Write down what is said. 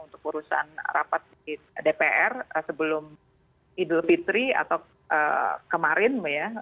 untuk urusan rapat di dpr sebelum idul fitri atau kemarin ya